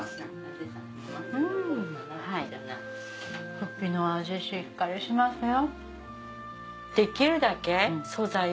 フキの味しっかりしますよ。